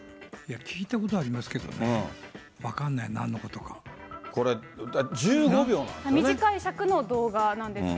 聞いたことはありますけどね、分かんない、これ、１５秒なんですよね。